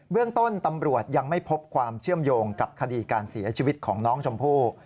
เรื่องต้นตำรวจยังไม่พบความเชื่อมโยงกับคดีการเสียชีวิตของน้องชมพู่